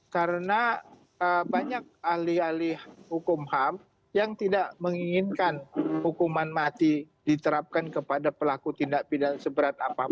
karena banyak ahli ahli hukum ham yang tidak menginginkan hukuman mati diterapkan kepada pelaku tindak pidana seberat apapun